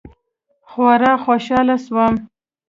خورا خوشاله سوم.